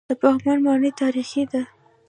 د پغمان ماڼۍ تاریخي ده